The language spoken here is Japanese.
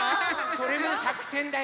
それはさくせんだよ。